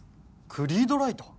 クリードライト？